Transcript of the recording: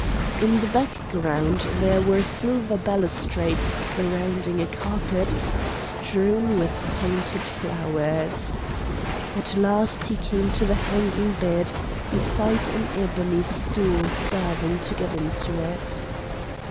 In the background there were silver balustrades surrounding a carpet strewn with painted flowers. At last he came to the hanging bed beside an ebony stool serving to get into it.